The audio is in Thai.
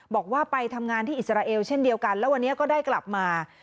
บอกว่าไปทำงานที่อิสราเอลเช่นเดียวกันแล้ววันนี้ก็ได้กลับมา